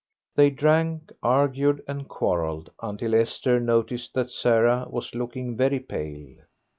They drank, argued, and quarrelled, until Esther noticed that Sarah was looking very pale.